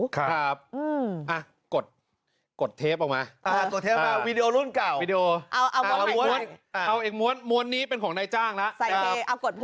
กดเทปออกมาเอาอีกม้วนม้วนนี้เป็นของนายจ้างแล้ว